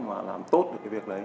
mà làm tốt được cái việc đấy